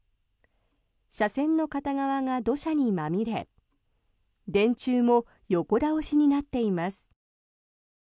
車線の片側が土砂にまみれ電柱も横倒しになっています。